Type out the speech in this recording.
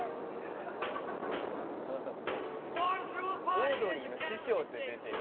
オードリーの師匠って出てる。